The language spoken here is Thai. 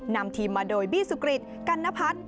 นำทีมมาโดยบี้สุกริดกัณภัทร